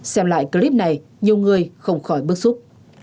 xem lại clip này nhiều người không khỏi bức xúc